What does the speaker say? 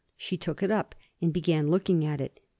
She took it up, and began looking at it.